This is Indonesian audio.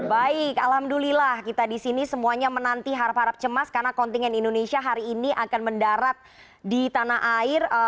baik alhamdulillah kita di sini semuanya menanti harap harap cemas karena kontingen indonesia hari ini akan mendarat di tanah air